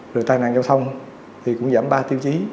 rồi tai nạn giao thông thì cũng giảm ba tiêu chí